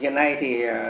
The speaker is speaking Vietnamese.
hiện nay thì